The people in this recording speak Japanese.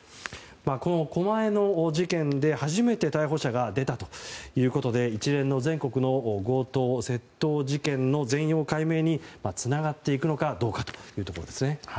この狛江の事件で初めて逮捕者が出たということで一連の全国の強盗・窃盗事件の全容解明につながっていくのかどうかというところですね。